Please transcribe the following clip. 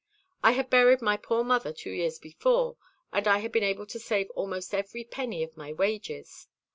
I had buried my poor mother two years before, and I had been able to save almost every penny of my wages.